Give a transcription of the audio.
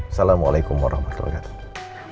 assalamualaikum warahmatullahi wabarakatuh